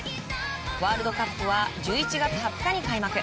ワールドカップは１１月２０日に開幕。